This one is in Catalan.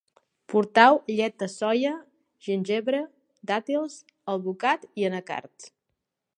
Portau llet de soia, gingebre, dàtils, alvocat i anacards